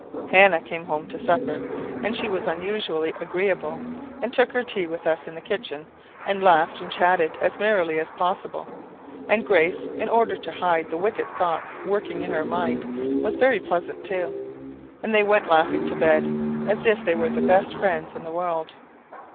"Hannah came home to supper, and she was unusually agreeable, and took her tea with us in the kitchen, and laughed and chatted as merrily as possible. And Grace, in order to hide the wicked thoughts working in her mind, was very pleasant too, and they went laughing to bed, as if they were the best friends in the world.